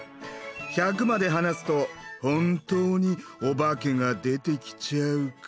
百まで話すと本当にお化けが出てきちゃうかも。